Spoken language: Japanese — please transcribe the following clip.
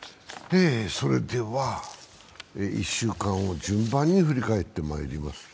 １週間を順番に振り返ってまいります。